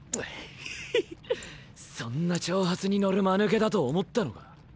ヒヒッそんな挑発に乗るマヌケだと思ったのか？